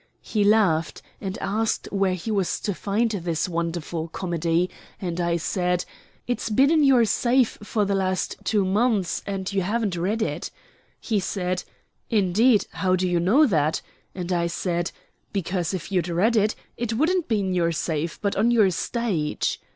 He laughed, and asked where was he to find this wonderful comedy, and I said, 'It's been in your safe for the last two months and you haven't read it.' He said, 'Indeed, how do you know that?' and I said, 'Because if you'd read it, it wouldn't be in your safe, but on your stage.